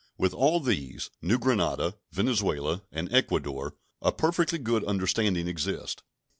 With all these New Granada, Venezuela, and Ecuador a perfectly good understanding exists.